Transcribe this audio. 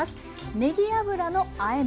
ねぎ油のあえ麺。